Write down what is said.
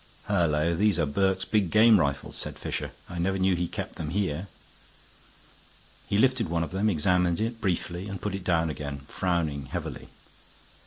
"Hullo! these are Burke's big game rifles," said Fisher. "I never knew he kept them here." He lifted one of them, examined it briefly, and put it down again, frowning heavily.